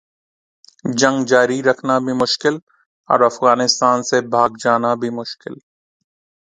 جنگ جاری رکھنا بھی مشکل اور افغانستان سے بھاگ جانا بھی مشکل۔